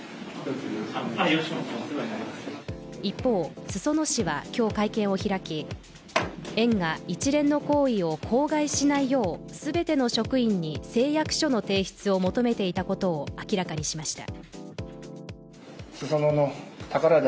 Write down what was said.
一方、裾野市は今日、会見を開き園が一連の行為を口外しないよう全ての職員に誓約書の提出を求めていたことを明らかにしました。